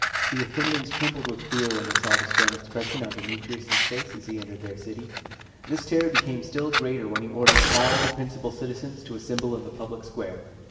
The Athenians trembled with fear when they saw the stern expression on Demetrius' face as he entered their city. This terror became still greater when he ordered all the principal citizens to assemble in the public square.